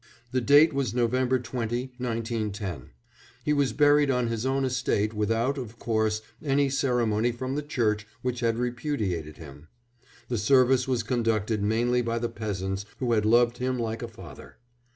The date was November 20, 1910. He was buried on his own estate without, of course, any ceremony from the Church which had repudiated him; the service was conducted mainly by the peasants who had loved him like a father.